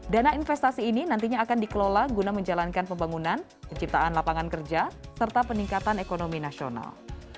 dana investasi ini nantinya akan dikelola guna menjalankan pembangunan penciptaan lapangan kerja serta peningkatan ekonomi nasional